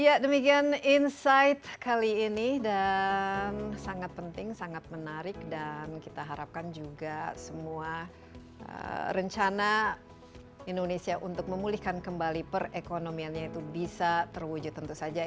ya demikian insight kali ini dan sangat penting sangat menarik dan kita harapkan juga semua rencana indonesia untuk memulihkan kembali perekonomiannya itu bisa terwujud tentu saja